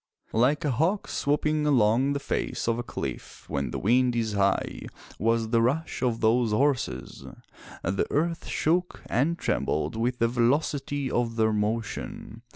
Like a hawk swooping along the face of a cliff when the wind is high was the rush of those horses. The earth shook and trembled with the velocity of their motion.